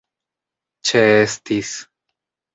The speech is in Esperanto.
ĉeestis